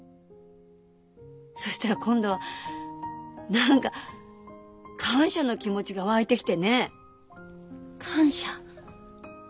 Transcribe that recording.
そしたら今度は何か感謝の気持ちが湧いてきてね。感謝？